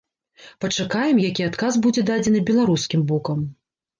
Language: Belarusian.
Пачакаем, які адказ будзе дадзены беларускім бокам.